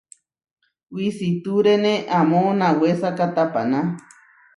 Wisitúrene amó nawésaka tapaná.